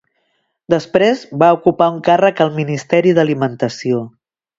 Després va ocupar un càrrec al Ministeri d'Alimentació.